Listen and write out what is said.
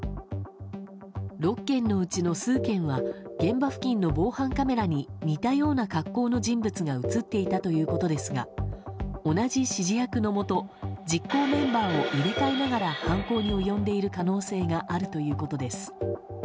６件のうちの数件は現場付近の防犯カメラに似たような格好の人物が映っていたということですが同じ指示役のもと実行メンバーを入れ替えながら犯行に及んでいる可能性があるということです。